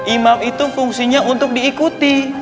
imam itu fungsinya untuk diikuti